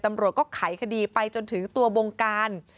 ตำรวจก็ไขคดีไปจนถึงตัววงการ